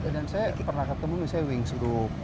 dan saya pernah ketemu nih saya wings group